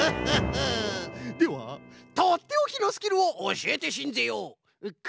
ではとっておきのスキルをおしえてしんぜよう。